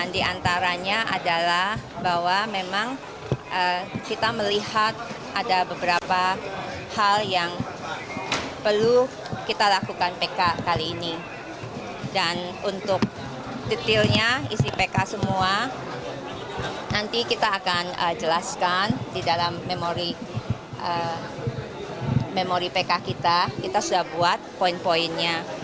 dalam memori pk kita kita sudah buat poin poinnya